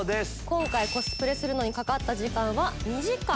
今回コスプレにかかった時間は２時間。